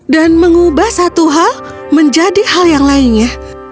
dan mengubah satu hal menjadi hal yang lainnya